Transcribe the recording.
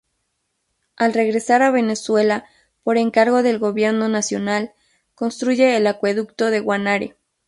Al regresar a Venezuela, por encargo del gobierno nacional, construye el acueducto de Guanare.